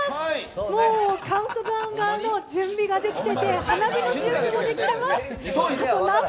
もうカウントダウンの準備ができていて花火の準備もできています！